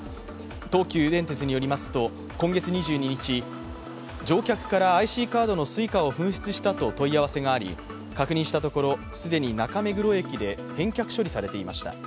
東急電鉄によりますと、今月２２日乗客からＩＣカードのＳｕｉｃａを紛失したと問い合わせがあり、確認したところ、既に中目黒駅で返却処理されていました。